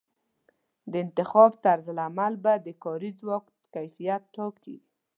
د انتخاب طرزالعمل به د کاري ځواک کیفیت ټاکي.